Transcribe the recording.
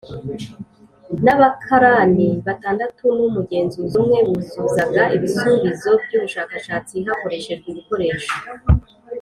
N abakarani batandatu n umugenzuzi umwe buzuzaga ibisubizo by ubushakashatsi hakoreshejwe ibikoresho